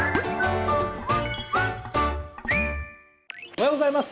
おはようございます。